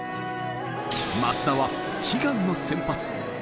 松田は悲願の先発。